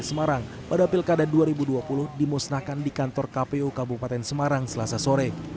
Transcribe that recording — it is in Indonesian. semarang pada pilkada dua ribu dua puluh dimusnahkan di kantor kpu kabupaten semarang selasa sore